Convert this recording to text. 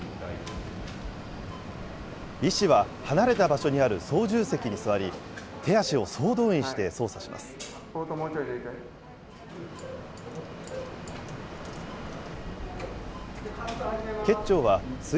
医師は離れた場所にある操縦席に座り、手足を総動員して操作します。